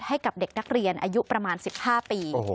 ให้กับเด็กนักเรียนอายุประมาณ๑๕ปี